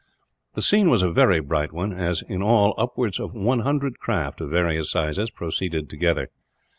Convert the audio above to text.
The scene was a very bright one as, in all, upwards of a hundred craft, of various sizes, proceeded together.